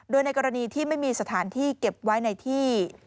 โดยในกรณีที่ไม่มีสถานที่เก็บไว้ในที่